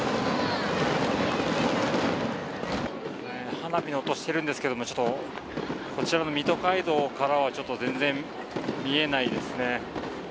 花火の音してるんですけれどもこちらの水戸街道からは全然見えないですね。